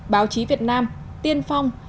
báo chí việt nam tiên phong